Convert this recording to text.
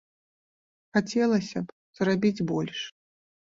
Хацелася б зрабіць больш.